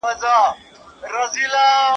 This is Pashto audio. اپليکېشنونه جوړ کړئ.